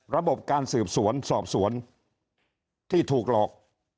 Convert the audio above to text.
ระบบการสืบสวนสอบสวนที่ถูกหลอก